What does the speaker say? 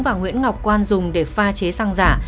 và nguyễn ngọc quan dùng để pha chế xăng giả